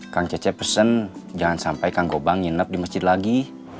kang cece pesen jangan sampai kang gobang nginep di masjid lagi